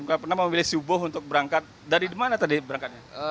nggak pernah memilih subuh untuk berangkat dari mana tadi berangkatnya